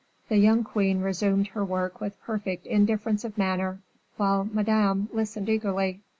The young queen resumed her work with perfect indifference of manner, while Madame listened eagerly.